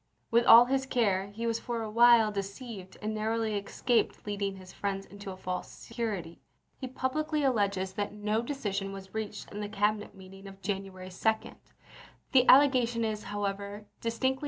With all his care, he was for a while de ceived, and narrowly escaped leading his friends into a false security. He publicly alleges that no decision was reached in the Cabinet meeting of Buchan an," Vol. II., p. 402. THE "STAR OF THE WEST" 99 January 2. The allegation is, however, distinctly chap.